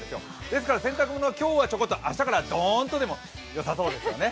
ですから、洗濯物は今日はちょこっと、明日からドンとでもよさそうですよね。